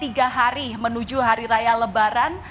tiga hari menuju hari raya lebaran